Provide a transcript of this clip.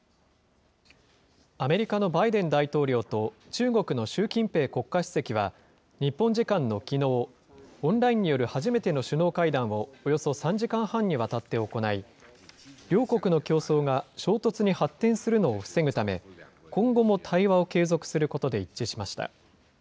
アメリカのバイデン大統領と中国の習近平国家主席は、日本時間のきのう、オンラインによる初めての首脳会談を、およそ３時間半にわたって行い、両国の競争が衝突に発展するのを防ぐため、今後も対話を継続することで一致しました。